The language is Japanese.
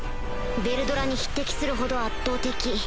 ヴェルドラに匹敵するほど圧倒的